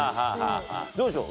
どうでしょう？